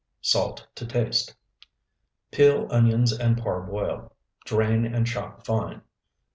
Salt to taste. Peel onions and parboil. Drain and chop fine.